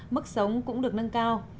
mức sống cũng được nâng cao